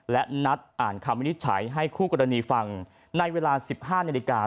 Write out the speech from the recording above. และนัดอ่านคำวินิจฉัยให้คู่กรณีฟังในเวลา๑๕นาฬิกา